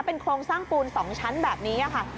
เป็นโครงสร้างปูน๒ชั้นแบบนี้ค่ะ